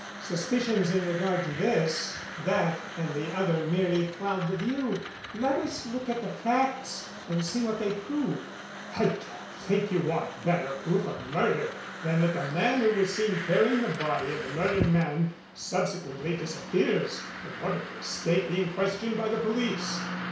Suspicions in regard to this, that and the other merely cloud the view. Let us look at the facts and see what they prove." "I don't think you want better proof of murder than that the man who was seen carrying the body of the murdered man subsequently disappears, in order to escape being questioned by the police."